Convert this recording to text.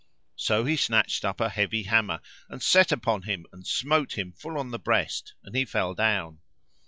So he snatched up a heavy hammer and set upon him and smote him full on the breast and he fell down.